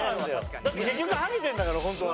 だって結局ハゲてるんだから本当は。